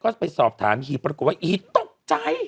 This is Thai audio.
ก็ไปสอบถามฮีปรากฏว่าอีทตกใจ